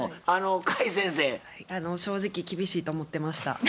あの正直厳しいと思ってました。